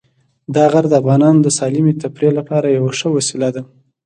دا غر د افغانانو د سالمې تفریح لپاره یوه ښه وسیله ده.